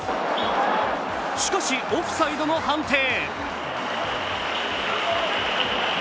しかし、オフサイドの判定。